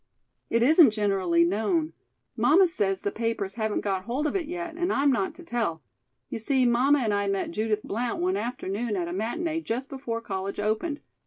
"It isn't generally known. Mamma says the papers haven't got hold of it yet, and I'm not to tell. You see mamma and I met Judith Blount one afternoon at a matinee just before college opened.